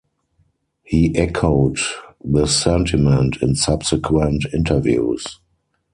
He echoed this sentiment in subsequent interviews.